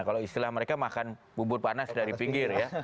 kalau istilah mereka makan bubur panas dari pinggir ya